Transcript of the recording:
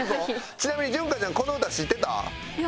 ちなみに潤花ちゃんこの歌知ってた？